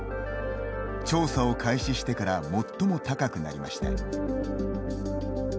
調査を開始してから最も高くなりました。